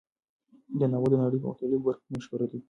دا ناول د نړۍ په مختلفو برخو کې مشهور دی.